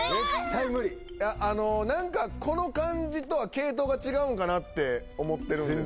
いやあのなんかこの感じとは系統が違うんかなって思ってるんですよ